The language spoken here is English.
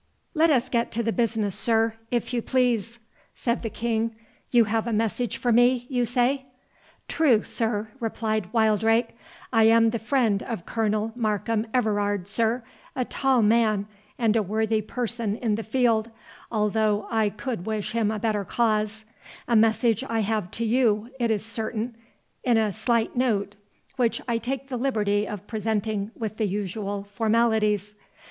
"Let us get to the business, sir, if you please," said the King—"you have a message for me, you say?" "True, sir," replied Wildrake; "I am the friend of Colonel Markham Everard, sir, a tall man, and a worthy person in the field, although I could wish him a better cause—A message I have to you, it is certain, in a slight note, which I take the liberty of presenting with the usual formalities."